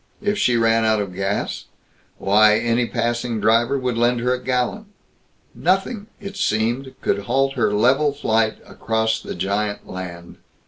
If she ran out of gas why, any passing driver would lend her a gallon. Nothing, it seemed, could halt her level flight across the giant land.